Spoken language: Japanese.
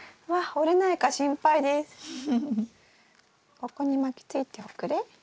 ここに巻きついておくれ。